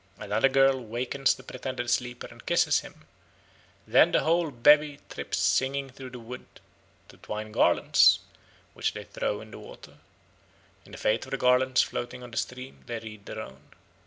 Another girl wakens the pretended sleeper and kisses him; then the whole bevy trips singing through the wood to twine garlands, which they throw into the water. In the fate of the garlands floating on the stream they read their own.